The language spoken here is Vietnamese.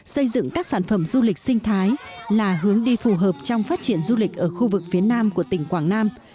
xây dựng các sản phẩm du lịch sinh thái là hướng đi phù hợp trong phát triển du lịch ở khu vực phía nam của tỉnh quảng nam